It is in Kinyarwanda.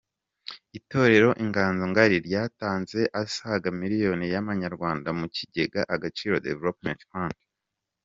Itorero Inganzo ngari ryatanze asaga miliyoni y'amanyarwanda mu kigega Agaciro Development Fund.